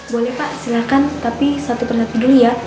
boleh pak silahkan tapi satu perhati dulu ya